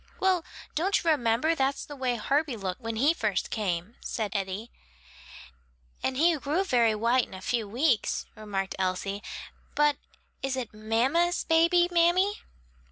"Well, don't you remember that's the way Herbie looked when he first came?" said Eddie. "And he grew very white in a few weeks," remarked Elsie. "But is it mamma's baby, mammy?"